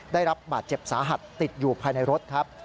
ได้รับบาดเจ็บสาหัสติดอยู่ภายในรถครับ